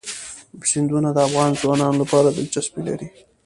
سیندونه د افغان ځوانانو لپاره دلچسپي لري.